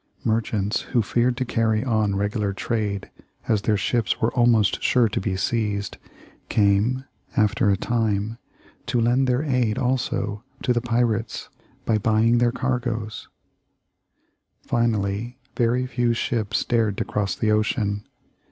Merchants who feared to carry on regular trade, as their ships were almost sure to be seized, came, after a time, to lend their aid also to the pirates, by buying their cargoes. [Illustration: The Reading of Fletcher's Commission.] Finally, very few ships dared to cross the ocean.